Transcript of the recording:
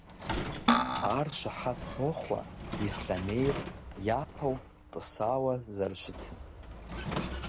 Ар щыхьэт тохъуэ Ислъэмейр япэу тӀысауэ зэрыщытым.